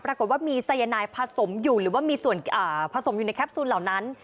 ปรากฏว่ามีสายนายผสมอยู่หรือว่ามีส่วนผสมอยู่ในแคปซูลเหล่านั้น